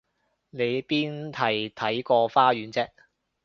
你邊係睇個花園啫？